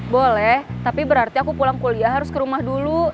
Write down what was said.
boleh tapi berarti aku pulang kuliah harus ke rumah dulu